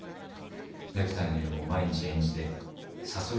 ネクタイの色も毎日えんじでさそり座の色ですね。